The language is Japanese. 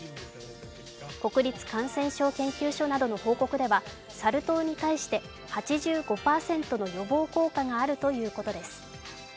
国立感染症研究所などの報告ではサル痘に対して８５％の予防効果があるということです。